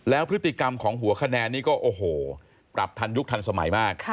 แล้วพฤติกรรมของหัวคะแนนนี้ก็โอ้โหปรับทันยุคทันสมัยมาก